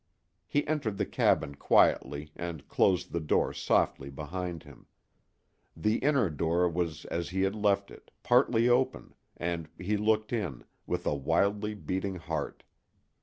He entered the cabin quietly and closed the door softly behind him. The inner door was as he had left it, partly open, and he looked in, with a wildly beating heart.